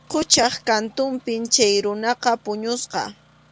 Quchap kantunpi chay runaqa puñusqa.